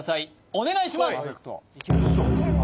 お願いします